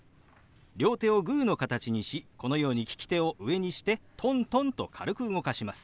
両手をグーの形にしこのように利き手を上にしてトントンと軽く動かします。